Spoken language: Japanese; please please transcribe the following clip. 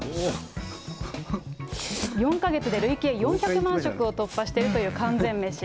４か月で累計４００万食を突破しているという完全メシ。